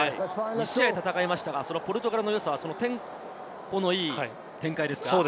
２試合戦いましたが、ポルトガルの良さはテンポのいい展開ですか？